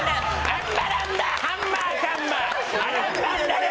アンバランバハンマーカンマー。